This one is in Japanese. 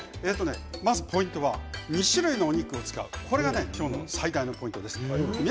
まずポイントは２種類の肉を使うこれが今日、最大のポイントです。